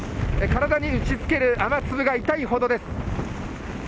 体に打ち付ける雨粒が痛いほどです。